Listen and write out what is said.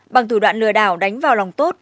bằng thủ đoạn lừa đảo đánh vào lòng tốt